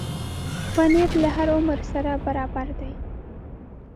پنېر له هر عمر سره برابر دی.